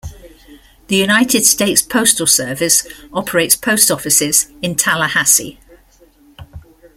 The United States Postal Service operates post offices in Tallahassee.